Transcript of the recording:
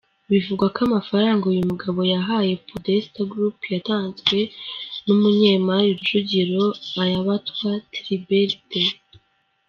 Bivugwa ko amafaranga uyu mugabo yahaye Podesta Group yatanzwe n’umunyemari Rujugiro Ayabatwa Tribert.